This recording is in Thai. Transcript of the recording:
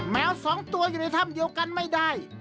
แมวสองตัวอยู่ในถ้ำเดียวกันไม่ได้